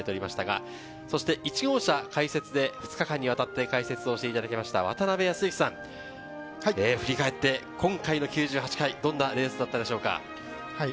１号車解説で２日間にわたって解説していただけました渡辺康幸さん、今回の９８回、どんなレースだったでしょうか？